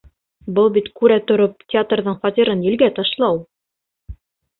Был бит күрә тороп театрҙың фатирын елгә ташлау!